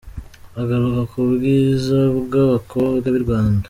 , agaruka ku bwiza bw’abakobwa b’i Rwanda.